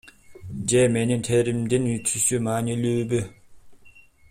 Же менин теримдин түсү маанилүүбү?